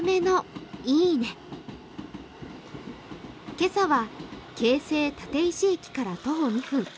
今朝は京成立石駅から徒歩２分。